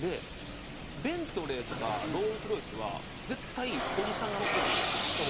ベントレーとかロールス・ロイスは絶対おじさんが乗ってるんですよ。